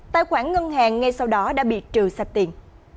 tài khoản ngân hàng ngay sau đó đã bị trừ sạp tiền